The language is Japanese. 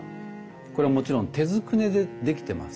これはもちろん手捏ねで出来てます。